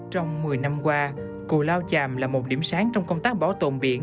trong một mươi năm qua cù lao chàm là một điểm sáng trong công tác bảo tồn biển